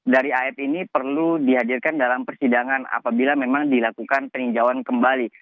dari af ini perlu dihadirkan dalam persidangan apabila memang dilakukan peninjauan kembali